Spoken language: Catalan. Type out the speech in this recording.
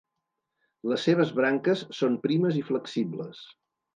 Les seves branques són primes i flexibles.